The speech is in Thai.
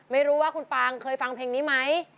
ไม่รู้ว่าคุณปางเคยฟังเพลงนี้ไหม